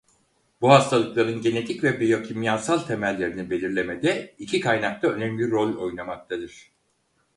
Bu hastalıkların genetik ve biyokimyasal temellerini belirlemede iki kaynak da önemli rol oynamaktadır.